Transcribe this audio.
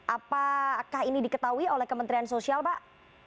apakah ini diketahui oleh kementerian sosial pak